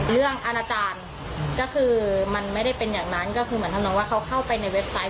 อาณาจารย์ก็คือมันไม่ได้เป็นอย่างนั้นก็คือเหมือนทำน้องว่าเขาเข้าไปในเว็บไซต์